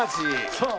そう。